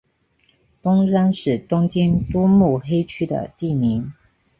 东山是东京都目黑区的地名。